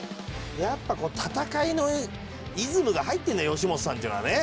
やっぱこう戦いのイズムが入ってるんだ吉本さんっていうのはね。